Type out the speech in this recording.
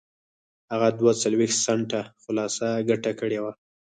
هغه دوه څلوېښت سنټه خالصه ګټه کړې وه